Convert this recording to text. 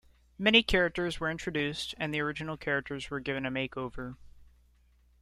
Many characters were introduced and the original characters were given a makeover.